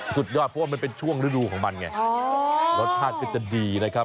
สุดยอดเพราะว่ามันเป็นช่วงฤดูของมันไงรสชาติก็จะดีนะครับ